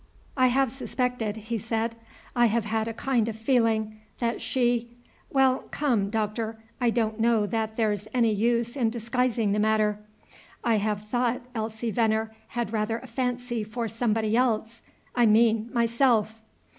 "I have suspected," he said, "I have had a kind of feeling that she Well, come, Doctor, I don't know that there 's any use in disguising the matter, I have thought Elsie Veneer had rather a fancy for somebody else, I mean myself."